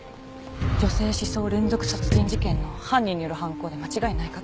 女性刺創連続殺人事件の犯人による犯行で間違いないかと。